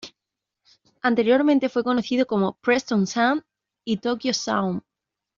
Anteriormente fue conocido como Preston San y Tokyo Shawn.